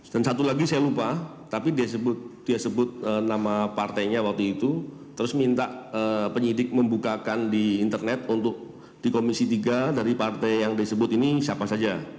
dan satu lagi saya lupa tapi dia sebut nama partainya waktu itu terus minta penyidik membukakan di internet untuk di komisi tiga dari partai yang disebut ini siapa saja